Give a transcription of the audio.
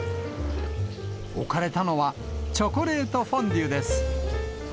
置かれたのは、チョコレートフォンデュです。